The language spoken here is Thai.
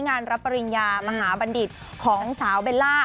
งานรับปริญญามหาบัณฑิตของสาวเบลล่า